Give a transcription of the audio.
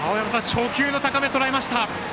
初球の高めをとらえました。